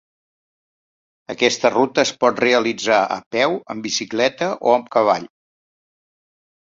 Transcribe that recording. Aquesta ruta es pot realitzar a peu, amb bicicleta o amb cavall.